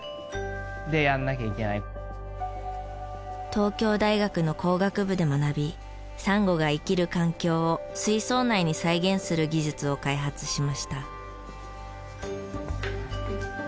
東京大学の工学部で学びサンゴが生きる環境を水槽内に再現する技術を開発しました。